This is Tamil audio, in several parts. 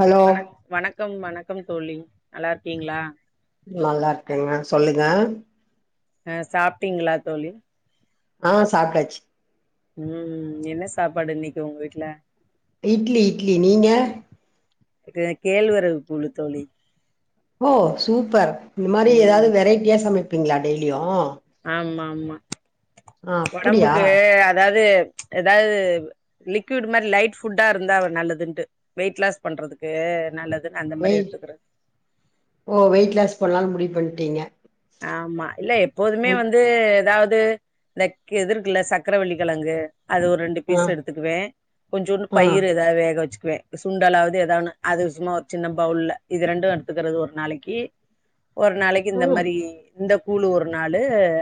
ஹலோ வணக் கம் வணக்கம் தோழி நல்லாருக்கீங்ளா நல்லாருக்கங்க சொல்லுங்க அ சாப்டீங்ளா தோழி ஆ சாப்டாச்சி ம் என்ன சாப்பாடு இன்னைக் ஒங்க வீட்ல இட்லி இட்லி நீங்க கு கேழ்வரவு கூலு தோழி ஓ சூப்பர் இந்த மாரி ம் ஏதாவது வெரைட்டியா சமைப்பீங்ளா டெய்லியூ ஆம்மா ஆம்மா ஒடம்புக்கு அதாவது ஏதாவது லிக்விடு மாரி லைட் புஃட்டாருந்தா நல்லதுன்டு வெயிட் லாஸ் பண்றதுக்கு அ நல்லத் வெய் ஓ வெயிட் லாஸ் பண்லான் முடிவ் பண்ட்டீங்க ஆம்மா இல்ல எப்போதுமே ம் வந்து எதாவ் து இந்தக் எதிர்க்குல சக்கரவளி கெழங்கு அது ஒரு ரெண்டு ஆ பீஸ் எடுத்துகுக்வே கொஞ்சூண்டுப் ஆ பயிரு ஏதாவ் வேக வச்சிக்வே சுண்டலாவது எதா ஒன்னு அது சும்மா ஒரு சின்ன பஃவுல்ல இது ரெண்டு எடுத்துக்கிறது ஒரு நாளக்கி ஒரு நாளைக்கி இந்த ம் மாரி இந்த கூலு ஒரு நாளு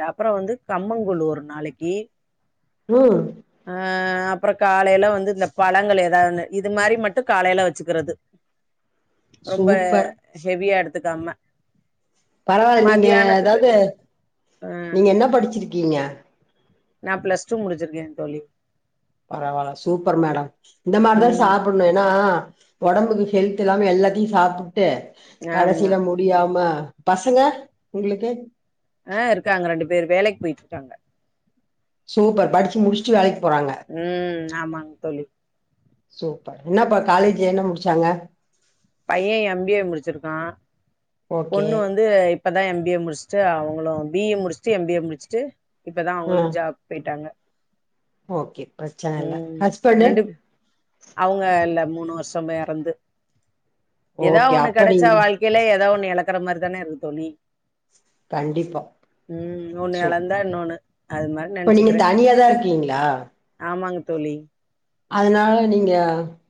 அப்ற வந்து கம்பங் கூல் ஒரு நாளைக்கி ம் அப்ற காலைல வந்து இந்த பழங்கள் ஏதானு இது மாரி மட்டு காலைல வச்சிக்கிறது ரொம்ப சூப்பர் ஹெவியா எடுத்துக்காம பரவால்ல நீங்க மதியானத்துக்கு அதாவது ஆ நீங்க என்ன படிச்சிருகீங்க நா பிளஸ் டூ முடிச்சிருக்கே தோழி பரவால சூப்பர் மேடம் இந்த மார்தா ம் சாப்புண்ணு ஏனா ஒடம்புக்கு ஹெல்த் இல்லாம எல்லாத்தியு சாப்புட்டு ஆமா கடசில முடியாம பசங்க உங்ளுக்கு ஆ ருக்காங்க ரெண்டு பேரு வேலைக் போய்ட்ருக்காங்க சூப்பர் படிச்சு முடிஸ்ட்டு வேலைக் ம் ஆமாங் தோழி சூப்பர் என்னாப்ப காலேஜ் என்ன முடிச்சாங்க பைய எம் பி ஏ முடிச்சிருக்கா ஓகே பொண்ணு வந்து இப் இப்பதா எம் பி ஏ முடிஸ்ட்டு அவுங்களு பி ஏ முடிஸ்ட்டு எம் பி ஏ முடிச்ட்டு இப்பதா அவுங்ளு ஜாப் போய்ட்டாங்க ஓக்கே பிரச்சனல்ல ஹஸ்பண்டு் அவுங்க இல்ல மூனு வர்ஷமா எறந்து எதா ஓகே ஒன்னு அப்ப கெடச்சா நீங்க வாழ்க்கைல எதா ஒன்னு எழக்ற மாரிதான இருகு தோழி கண்டிப்பா ம் ஒன்னு சூப் எழந்தா இன்னோனு இப்ப நீங்க தனியாதா இர்க்கீங்ளா ஆமாங்க தோழி அதுனால நீங்க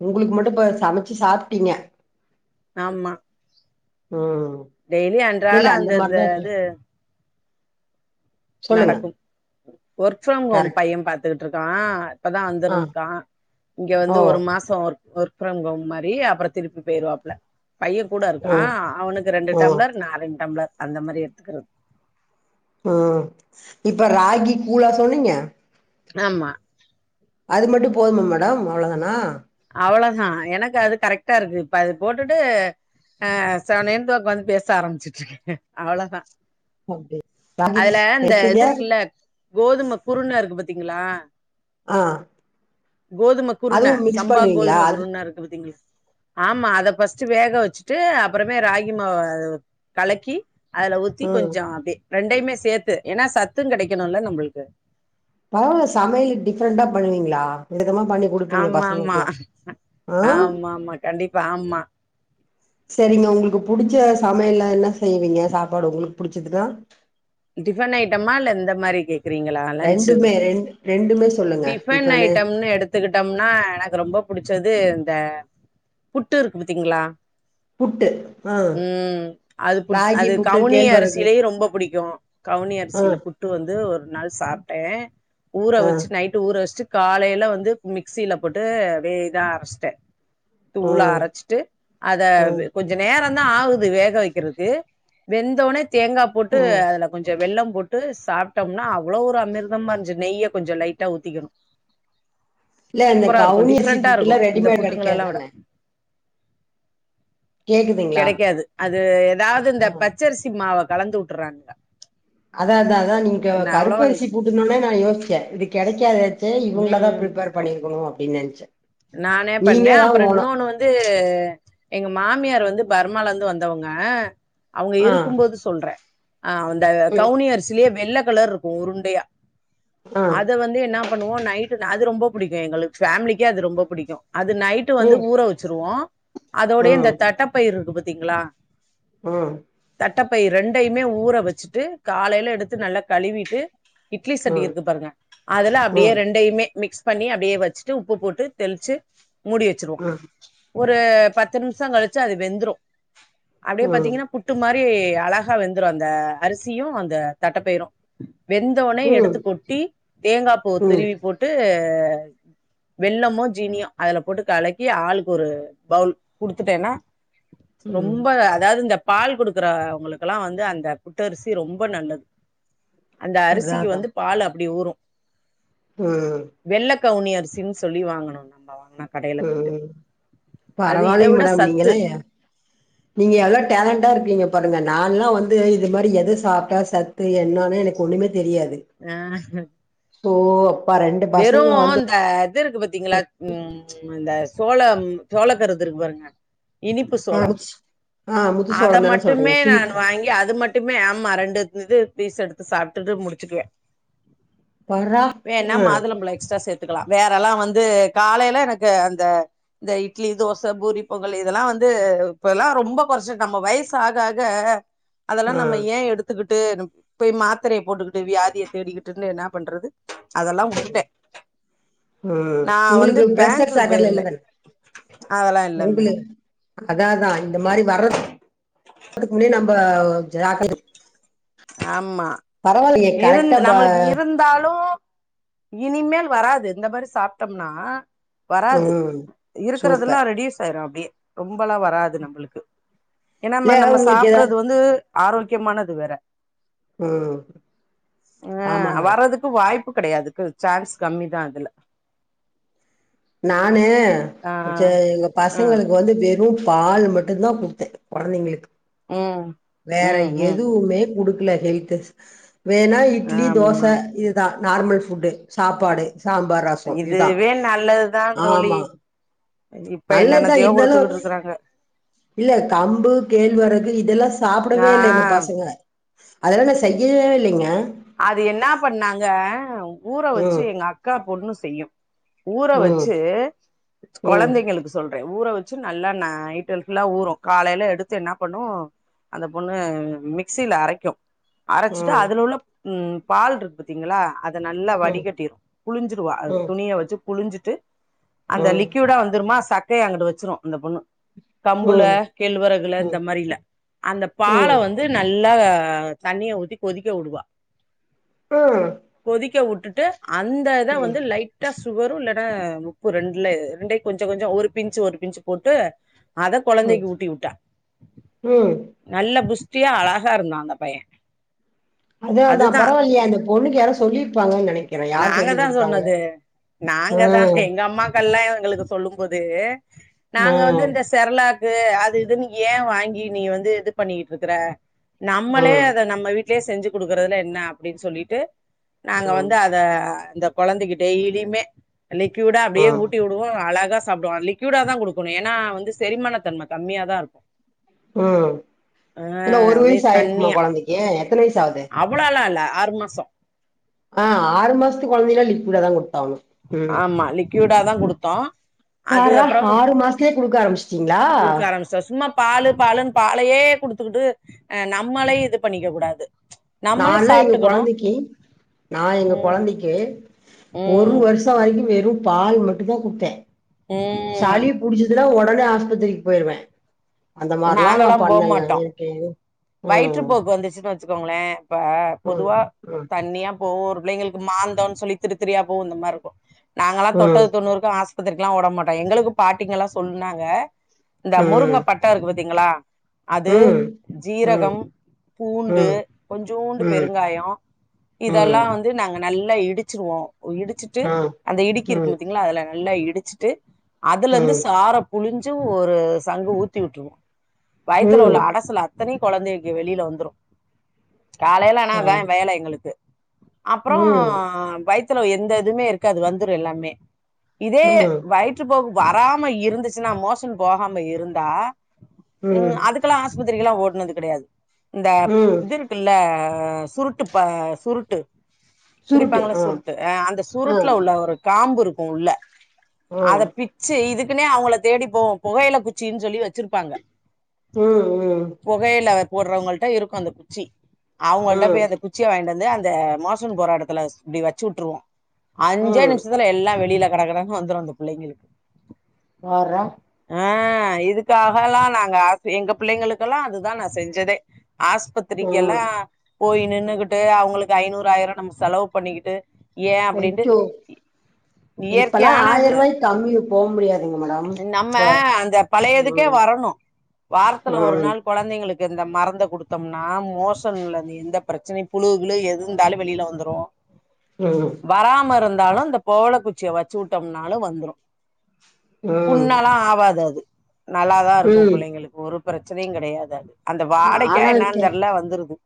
உங்குளுக்கு மட்டு இப்ப சமச்சி சாப்ட்டீங்க ஆம்மா ம் டெய்லியு இல்ல அன்றாடோ அந்த அந்த மாரிதா இருக்கு. இது சொல்லுங்க நடக்கும் ஒர்க் ஃப்ரம் ஹோம் கரெக்ட் பைய பாத்துகிட்ருக்கா இப்பதா ஆ வந்திருந் கா இங்க ஓ வந்து ஒரு மாசோ ஒர் ஒர்க் ஃப்ரம் ஹோம் மாரி அப்றோ திருப்பி போய்ருவாப்ல பைய கூட இருக்கா ம் அவனுக்கு ரண்டு ம் டம்ளர் நா ரண் டம்ளர் அந்த மாரி எட்த்துகிறத் ம் இப்ப ராகி கூழா சொன்னீங்க ஆமா அது மட்டு போதுமா மேடம் அவ்ள தானா அவ்ளோதா எனக் அது கரெக்ட்டா இருக்கு இப்ப அது போட்டுட்டு அ செவனேன் தா ஒக்கோந்து பேச ஆரமிச்சிட்ருக்கே அவ்ளோதா அப்டி ராகி அதுல இந்த எடுத்தீங்க இதுருக்குல்ல கோதும குருண இருக்கு பாத்திங்களா ஆ கோதும குருண அதுவு மிக்ஸ் ம்பா பண்ணுவீங்களா கோதும அது குருண இருக்கு பாத்திங்க ஆமா அத ஃபஸ்ட்டு வேக வெச்சுட்டு அப்றமே ராகி மாவ அதுவ கலக்கி அதுல ஊத்தி ம் கொஞ்சோ அப்டே ரெண்டையிமே சேத்து ஏனா சத்து கெடைக்கணுல்ல நம்பள்க்கு பரவால சமையலு டிஃப்ரண்டா பண்ணுவீங்ளா விதமா ஆம்மாம்மா ஆ ஆமாமா கண்டிப்பா ஆம்மா செரிங்க உங்குளுக்கு புடிச்ச சமையல்லா என்ன செய்வீங்க சாப்பாடு உங்குளுக் புடிச்சதுனா டிஃபன் ஐட்டமா இல்ல இந்த மாரி கேக்கிறீங்களா லன்ச்சுது ரெண்டுமே ரெண் ரெண்டுமே சொல்லுங்க டிஃபன் டிஃபனு ஐட்டம்னு எடுத்துக்கிட்டம்னா எனக்கு ரொம்ப புடிச்சது த புட்டு இருக் பத்திங்ளா புட்டு ஆ ம் அது புட் ராகி அது புட்டு கவுனி கேழ்வரகு அரிசிலையு ரொம்ப புடிக்கு கவுனி ஆ அரிசில புட்டு வந்து ஒரு நாள் சாப்ட்டே ஊற ஆ வச்சு நைட்டு ஊற வச்ட்டு காலைல வந்து மிக்சில போட்டு வே இதா அரச்ட்டே தூளா ம் அரச்ட்டு அதவ் ம் கொஞ்ச நேரோ ந்தா ஆகுது வேக வெக்கிறதுக்கு வெந்தோனே தேங்கா போட்டு ம் அதுல ய வெல்லம் போட்டு சாப்ட்டம்னா அவ்ளோ ஒரு அமிர்தமா இருஞ்ச்சு நெய்ய கொஞ்சோ லைட்டா ஊத்திகணு இல்ல இந்த சூப்பரா இருக்கு கவுனி அரிசி டிஃப்ரண்ட்டா இருக்கு புட்டுலா இந்த ரெடிமேட் புட்டுங்கள எல்லா விட கெடைக்காதுதான கேக்குதுங்களா கெடைக்காது அது எதாவ்து ஆ இந்த பச்சரிசி மாவ கலந்து உட்டுர்றானுங்க அதா அதா அதா நீங்கோ அவ்ளவா கருப்பரிசி புட்டுனொனே நா யோசிச்சே இது கெடைக்கா தே இவுங்ளா தா ம் பிரிப்பேர் பண்ணிருக்குனு அப்டின் நென்ச்சே நானே பண்ணே அப்றோ இன்னோனு வந்து எங்க மாமியார் வந்து பர்மாலந்து வந்தவங்க அவுங்க ஆ இருக்கும்போது சொல்றே ஆ அந்த ம் கவுனி அரிசிலியே வெள்ள கலர்ருக்கு உருண்டையா ஆ அத வந்து என்னா பண்ணுவோ நைட்டு அது ரொம்ப புடிக்கு எங்களுக் ஃபேமிலிக்கே அது ரொம்ப புடிக்கு அது நைட்டு வந்து ம் ஊற வெச்சிருவோ அதோடையே இந்த ம் தட்டப்பயிர் இருக்கு பாத்திங்களா ம் தட்டப்பயிர் ரெண்டையுமே ஊற வெச்சுட்டு காலைல எடுத்து நல்லா கழுவிட்டு இட்லி ம் சட்டி ம் இருக்கு பாருங்க அதுல அப்டியே ம் ரண்டயுமே மிக்ஸ் பண்ணி அப்டியே வச்சிட்டு உப்பு போட்டு தெளிச்சு மூடி வெச்சிருவோ ஒரு பத்து நிம்ஷோ கழிச்சு அது வெந்துரு அப்டியே ம் பாத்திங்கனா புட்டுமா ரி அழகா வெந்துரு அந்த அரிசியு அந்த தட்டப்பயிரு வெந்தவொனே எடுத்து ம் கொட்டி தேங்கா பூவ ம் திருவி போட்டு வெள்ளமோ ஜீனியு அதுல போட்டு கலக்கி ஆளுக்கு ஒரு பவுல் குடுத்துட்டேன்னா ம் ரொம்ப அதாவது இந்த பால் கொடுக்குறவங்களுக்கெல்லா வந்து அந்த புட்டரிசி ரொம்ப நல்லது அந்த அதா அரிசிக்கு அதா வந்து பால் அப்டி ஊரு ம் கவுனியரிசின்னு சொல்லி வாங்கணு நம்ப வாங்கனு ம் அது இதை பரவால்லிங்க விட மேடம் சத்து நீங்கல்லா எ நீங்க எல்லா டேலண்டா இருக் கீங்க பாருங்க நான்ல்லா வந்து இது மாரி எத சாப்ட்டா சத்து என்னான்னு எனக்கு ஒண்ணுமே ஆ தோ வெறு ந்த இது இருக்கு பாத்தீங்களா ம் இந்த சோளம் சோளக்கருது இருக்கு பாருங்க இனிப்பு ஆ சோளம் ஆ அத முத்துசோளம் தான சொல்றீங்க மட்டுமே ஸ்வீட் நான் கார்ன் வாங்கி அது மட்டுமே ஆமா ரெண்டு இது பீஸ் எடுத்து சாப்ட்டுட்டு முடிச்சுக்குவே பார்ரா ஹ் மாதுளம்பழம் எஸ்ட்ரா சேர் க்கலாம் வேறெல்லா வந்து காலையில எனக்கு அந்த இந்த இட்லி தோச பூரி பொங்கல் இதெல்லா வந் ந்து இப்பல்லா ரொம்ப கொறைச்சு நம்ம வயசு ஆக ஆக அதெல்லா ஆ நம்ம ஏ எடுத்துக்கிட் ட்டு போய் மாத்தரைய போட்டுக்கிட்டு வியாதிய தேடிக்கிட்டுன்னு என்னா பண்றது அதெல்லா வுட்டுட்டே ஆ நா வந்து உங்களுக்கு பிரஷர் பேங்க்குக்கு சக்கரல்லா போயிருந்தே இல்லதானே அதெல்லா இல்ல மேடம் மோபிலக் அதா அதா இந்த மாரி வர்றத் அதுக்கு முன்னேயு நம்ப ஜாக்கிறது ம்மா இருந் கரெக்டா ப நம்மளுக்கு இருந்தாலு இனிமேல் வராது இந்த பாரு சாப்ட்டம்னா வராது ம் இருக்கரதுல்லா சூப்பர் ரெடியூஸ் ஆயிரு அப்டியே ரொம்பல்லா வராது நம்பளுக்கு ஏன்னா இல்ல நம் நம்ம உங்களுக்கு எதா சாப்புறது வந்து ஆரோக்கியமானது வேற ம் ஆமா மேடம் ப்பு கெடையாதுக்கு சான்ஸ் கம்மிதா அதுல நானு ஆ சே இந்த ஆ பசங்களுக்கு வந்து வெறு பால் மட்டு தா குடுத்தே கொழந்தைங்களுக்கு ம் வேற ம் ம் எதுவுமே குடுக் இல்ல ஹெல்த்து வேண்ணா இட்லி தோச ஆமா இதுதா நார்மல் ஃபுட்டு சாப்பாடு சாம்பார் ரசோ இதுதா இதுவே நல்லதுதா தோழி ஆமா இப்ப என்னென்னத்தையோ குடுத்துக்குட்டு இருக்குறாங்க இல்லேல்ல கம்பு கேழ்வரகு இதெல்லா ஆ சாப்புடவே இல்ல எங்க பசங்க அதெல்லா நா செய்யவே இல்லைங்க அது என்னா பண்ணாங்க ஊற வச்சு ம் எங்க அக்கா பொண்ணு செய்யும் ஊற ம் வச்சு ம் கொழந்தைங்களுக்கு சொல்றே ஊற வச் ச்சு நல்லா நைட்டெல்லா ஊறு காலையில எடுத்து என்ன பண்ணு அந்த பொண்ணு மிக்சில அரக்கு அரச்சுட்டு ம் அதுல உள்ள ம் பால்ருக்கு பாத்திங்களா அத நல்லா ம் வடிகட்டிரு புழிஞ்சுடுவா அத ம் துணிய வெச்சு புழிஞ்சுட்டு அந்த ம் லிக்கியூடா வந்துருமா சக்கய்ய அங்குட்டு வெச்சிரு அந்த பொண்ணு கம்புல ம் கேழ்வரகுல ம் இந்த மாறில அந்த பால ம் வந்து நல் நல்லா தண்ணிய ஊத்தி கொதிக்க உடுவா ம் கொதிக்க வுட்டுட்டு அந்த இத ம் வந்து லைட்டா சு வருல்லடா உப்பு ரெண்ட்ல ரெண்டை கொஞ்ச கொஞ்சோ ஒரு பின்ச் ஒரு பின்ச் போட்டு அத ம் கொழந்தைக்கு ஊட்டி விட்டா ம் நல்ல புஸ் டியா அழகா இருந்தா அந்த பைய அதா அதா அதுதா பரவால்லயே அந்த பொண்ணுக்கு யாரோ சொல்லிருப்பாங்கன்னு நெனைக் நாங்க தா சொன்னது நாங்க தா ம் எங்க அம்மா க்ல்லா எங்களுக்கு சொல்லுபோது நாங்க வந்து ம் இந்த செர்லாக் து அது இதுன்னு ஏ வாங்கி நீ வந்து இது பண்ணிட்ருக்கற நம்மளே ம் அத நம்ம வீட் வீட்லையே செஞ்சி குடுக்றதுல என்ன அப்டின்னு சொல்லிட்டு ம் இந்த குழந்தைக்கு டெய்லியுமே லிக்யூடா அப்டியே ம் ஊட்டி உடுவோ அழகா சாப்டுவா லிக்யூடா தா கொடுக்கணு ஏன்னா வந்து செரிமானத்தன்ம கம்மியா தா இருக்கு ம் ஆ என்ன ஒரு அப்டியே வயசு ஆயிருக்குமா தண்ணியா கொழந்தைக்கு எத்தன வயசு ஆகுது அவ்ளாள இல்ல ஆறு மாசோ ஆ ஆறு மாசத்துக்கு கொழந்தைங்கலா லிக்யூடா தா கொடுக் ஆமா லிக்யூடாதா குடுத்தோ அது பார்றா அப்றோ ஆறு மாசத்துலயே குடுக்க ஆரம்பிச்சிட்டீங்களா குடுக்க ஆரம்பிச்சிட்டோ சும்மா பாலு பாலு ன் பாலையே குடுத்துட்டு குட்டு ஆ நம்மலே இது பண்ணிக்க கூடாது நம்மளு நான்லா எங்க சாப்ட்டுக்கணு கொழந்தைக்கி நா எங்க ம் கொழந்தைக்கு ஒரு ம் வருஷ் ஷ வரைக்கு வெறு பால் மட்டு தா குடுத்தே ம் சலி புடிச்சுதுன்னா உடனே ஆஸ் பத்திரிக்கு தூக்கி போயிருவே அந்த மாரிலா நா நாங்கல்லா பண்ணேங்க போமாட்டோ எனக்கு வயிற்று ம் போக்கு வந்துச்சுன்னு வச்சுக்கோ லே இப்ப ம் பொதுவா ம் தண்ணியா போவு ஒரு பிள்ளைங்களுக்கு மாந்தோம்னு சொல்லி திருத்திரியா போவு இந்த மாரி இருக்கு நாங்கல்லா தொட்டது ம் தொண்ணூறுக்கு ஆஸ் பித்திறிக்குலா ஓடமாட்டோ எங்களுக்கு பாட்டீங்கல்லா சொன்னாங்க இந்த முருங்க ம் பட்ட இருக்கு பாத்தீங்களா அது ம் ஜீரகம் ம் பூண்டு ம் கொஞ்சோண்டு ம் பெருங்காய இதெல்லா ம் வந்து நாங்க நல்லா இடிச்சிருவோ இடிச்சுட்டு ஆ அந்த இடுக்கி இருக்கு ம் பாத்தீங்களா அதுல நல்லா இடிச்சுட்டு அதுல இருந்து ம் சார புழிஞ்சு ஒரு சங்கு ஊத்தி உட்ருவோ வயத்துல உள்ள ம் அடைசுல அத்தனை கொழந்தைக்கு வெளியில வந்துரு காலையில ஆனா ஆ அதா வேல எங்களுக்கு அப்றோ ம் வை த்துல எந்த இதுமே இருக்காது வந்துரு எல்லாமே இதே ம் வயிற்று போக்கு வராம இருந்துச்சுன்னா மோஸன் போகாம இருந்தா ம் அதுக்கெல்லா ஆஸ்பத்திரிக்கெல்லா ஓட் னது கடையாது இந்த ம் இது இருக்குள்ள சுருட்டு ப சுருட்டு குடிப்பாங்கள சுருட்டு ஆ அந்த ஆ சுருட்ல உள்ள ஒரு காம்பு இருக்கு உள்ள ஆ அத பிச்சு இதுக்குன்னே அவங்கள தேடி போ புகையில குச்சுனு சொல்லி வச்சிருப்பாங்க ம் ம் போட்றவங்கள்ட இருக்கு அந்த குச்சி அவங்கள்ட ம் போயி அந்த குச்சிய வாங்கிட்டு வந்து அந்த மோசன் போர எடத்துல இப்டி வச்சு உட்ருவோ அஞ்சே ம் நிமிஷத்துல எல்லா வெளில கடகடனு வந்துரு அந்த புள்ளைங்களுக்கு பார்ரா இதுக்காகல்லா நாங்க ஆஸ் எங்க பிள்ளைங்களுக்கெல்லா அதுதா நா செஞ்சதே ஆஸ்பத்திரிக்கெல்லா ம் போய் நின்னு கிட்டு அவங்களுக்கு ஐய்நூறு ஆயிர நம்ம செலவு பண்ணிக்கிட்டு ஏ அப்டின்டு ஐயோ இப்பல்லா இயற்கையானது ஆயிரூவாய்க்கு கம்மி போ முடியாதுங்க மேடம் நம்ம இப்ப அந்த பழைய துக்கே ம் வரணு வாரத்ல ஒரு ம் நாள் குழந்தைங் களுக்கு இந்த மருந்த குடுத்தோம்னா மோசம்ல எந்த பிரச்சனையு புழு கிழு எது இருந்தாலு வெளில வந்துரு ம் வராம இருந்தாலு இந்த போவள குச்சிய வச்சு உட்டாம்லு வந்துரு ம் புண்ணலா ஆவது அது நல்லாதா இருக்கு ம் புள்ளைங்களுக்கு ஒரு ப்ரச்சனையு கெடையாது அது அந்த வாடைக்கா ஆனா இப்ப என்னானு தெர்லா வந்துருது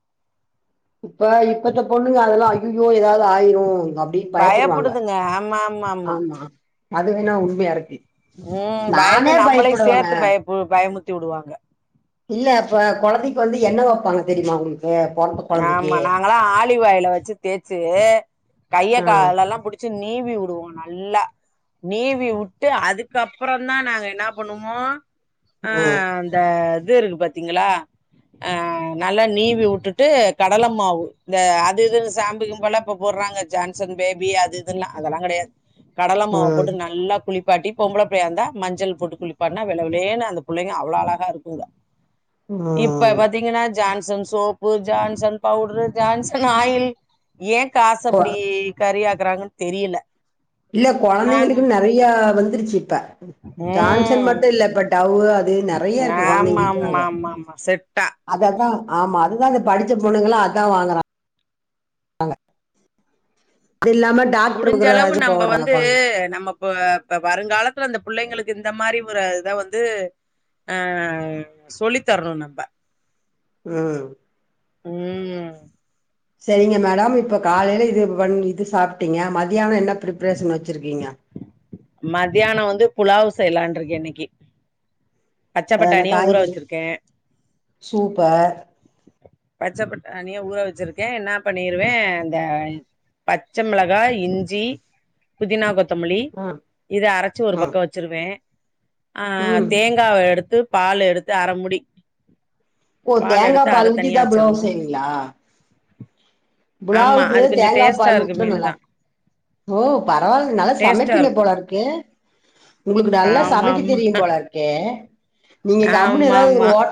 இப்ப இப்பத்த பொண்ணுங்க அதெல்லா அய்யுயோ ஏதாது ஆயிரு கோ அப்டி பயப்புடுவாங்க ஆமா அதுவேனா உண்மையா இருக்கு ம் பயந்து நானே நம்பளையு பயப்படுவேங்க சேத்து பயப்பு பயமுத்திவுடுவாங்க இல்ல அப்ப கொழந்தைக்கு வந்து எண்ண வைப்பாங்க தெரியுமா உங்களுக் ஆமா நாங்களா ஆலிவ் ஆயில வச்சு தேச்சு கைய ஆ காலேல்லா புடிச்சு நீவி உடுவோ நல்லா நீவி உட்டு அதுக்கப்றோ தா நாங்க என்னா பண்ணுவோ ஆ ம் அந்த இது இருக்கு பாத்தீங்களா அ நல்லா நீவிவுட்டு ட்டு கடல மாவு இந்த அது இதுன்னு சாம்பு கீம்புலா இப்ப போட்றாங்க ஜான்சன் பேபி அது இதுன்லா அதெல்லா கடையாது கடல மாவ் ம் போட்டு நல்லா குளிப் பாட்டி பொம்பள புள்ளயாருந்தா மஞ்சள் போட்டு குளிப்பாட்ணா வெள்ள வெள்ளேர்னு அந்த புள்ளைங்க அவ்ளோ அழகா இருக்குங்க இப்ப ம் பாத்தீங்கன்னா Johnson soap [inaudible] Johnson powder Johnson oil ஏ காசு கொ இப்டி கறி ஆக் குறாங்கன்னு தெரியில இல்ல கொழந்தைங்களுக்குன்னு நெறைய வந்துருச்சு இப்ப ஜான்ஷன் ம் மட்டு இல்ல இப்ப டவ்வு அ கு நெறையருக்கு ஆமா ஆமா கொழந்தைங்களுக்காக ஆமா ஆமா செட்டா அத அதா ஆமா அதுதா இந்த படிச்ச பொண்ணுங்களா அதா வாங்கு றாங்க முடிஞ்சளவு நம்ப வந்து கொழந்தைக்கு நம்ப இப்ப இப்ப வருங்காலத்துல அந்த புள்ளைங்களுக் இந்த மாரி ஒரு இதுதா வந்து ஆ சொல்லி தர்ணு நம்ப ம் ம் சரிங்க மேடம் இப்ப காலையில இது பன் இது சாப்ட்டீங்க மதியானோ என்ன ப்ரிபரேஷன் வச்சிருக்கீங்க மத்தியான வந்து புலாவு செய்யலா இருக்கே இன்னைக்கி பச்ச என்ன பட்டாணிய ஊற காய்கறி வச்சிருக்கே சூப்பர் பச்ச பட்டானிய ஊற வச்சிருக்கே என்னா பண்ணிருவே இந்த பச்சமெளகா இஞ்சி புதினா கொத்தமலி ம் இத அரச்சு ஒரு ம் பக்கோ வச்சிருவே ஆ ம் தேங்காவ எடுத்து பால் எடுத்து அறமுடி ஓ தேங்கா பால் ஊத்திதா புலாவ் செய்வீங்களா ஆமா புலாவுக்கு அது கொஞ்சோ தேங்கா டேஸ்ட்டா பால் இருக்கு ஊத்துனா மீனு நல்லா தா இருக் ஓ பரவால்ல நல்லா டேஸ்ட்டா சமப்பீங்க இருக்கு போலருக்கு உங்களுக்கு நல்லா ஆமா சமக்க ஆமா தெரியு போலருக்கே நீங்க கம்முனு ஆமா ஏதாவுது ஆமா ஒரு ஹோட்